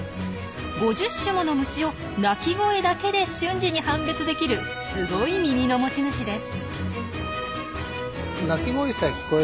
５０種もの虫を鳴き声だけで瞬時に判別できるすごい耳の持ち主です。